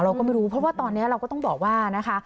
เราก็ไม่รู้เพราะว่าตอนนี้เราก็ต้องบอกว่านะคะ